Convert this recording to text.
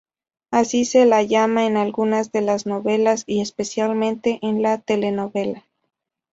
Así se la llama en algunas de las novelas y, especialmente, en la telenovela.